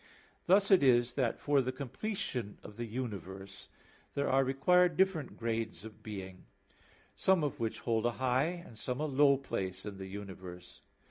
Thus it is that for the completion of the universe there are required different grades of being; some of which hold a high and some a low place in the universe.